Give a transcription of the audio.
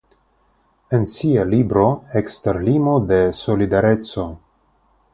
En sia libro "Ekster limo de solidareco.